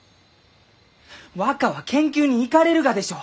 若は研究に行かれるがでしょ？